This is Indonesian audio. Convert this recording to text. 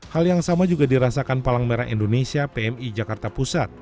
hal yang sama juga dirasakan palang merah indonesia pmi jakarta pusat